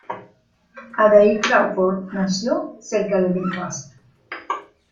Adair Crawford nació cerca de Belfast.